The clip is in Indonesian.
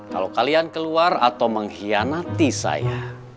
kalau kalian keluar atau mengkhianati saya